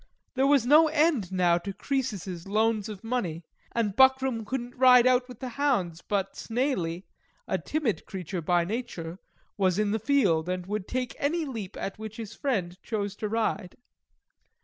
There was no end now to Croesus's loans of money; and Buckram couldn't ride out with the hounds, but Snaily (a timid creature by nature) was in the field, and would take any leap at which his friend chose to ride.